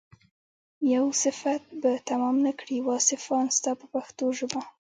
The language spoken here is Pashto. یو صفت به تمام نه کړي واصفان ستا په پښتو ژبه.